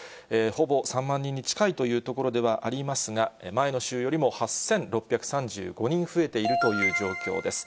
ほぼ３万人に近いというところではありますが、前の週よりも８６３５人増えているという状況です。